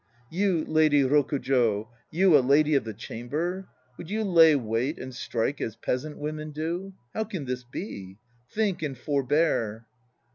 You, Lady Rokujo, you a Lady of the Chamber! Would you lay wait and strike as peasant women do? 1 How can this be? Think and forbear!